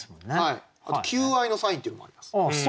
あと求愛のサインっていうのもあります。